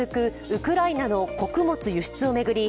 ウクライナの穀物輸出を巡り